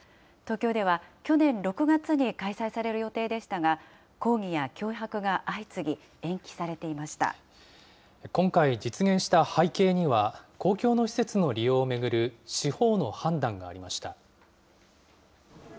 東京では去年６月に開催される予定でしたが、抗議や脅迫が相次ぎ、今回実現した背景には、公共の施設の利用を巡る司法の判断がありました。